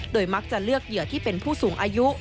มักจะเลือกเหยื่อที่เป็นผู้สูงอายุ